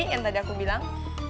yang tadi aku bilang